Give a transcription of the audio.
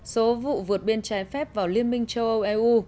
số vụ vượt biên trái phép vào liên minh châu âu eu